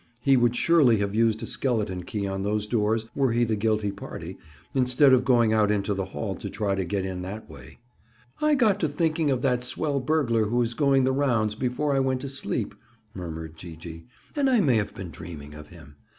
He would surely have used a skeleton key on those doors were he the guilty party, instead of going out into the hall to try to get in that way. "I got to thinking of that swell burglar who is going the rounds, before I went to sleep," murmured Gee gee, "and I may have been dreaming of him!